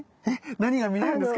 何が見えるんですか？